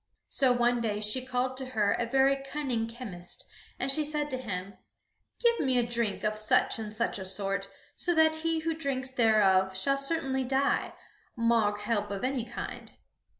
So one day she called to her a very cunning chemist and she said to him: "Give me a drink of such and such a sort, so that he who drinks thereof shall certainly die, maugre help of any kind."